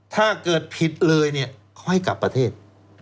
ถ้าเกิดผิดเลยเนี่ยค่อยกลับประเทศ